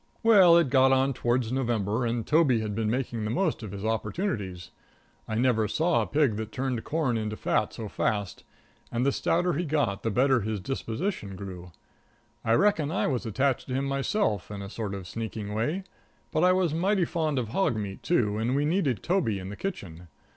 Well, it got on towards November and Toby had been making the most of his opportunities. I never saw a pig that turned corn into fat so fast, and the stouter he got the better his disposition grew. I reckon I was attached to him myself, in a sort of a sneaking way, but I was mighty fond of hog meat, too, and we needed Toby in the kitchen.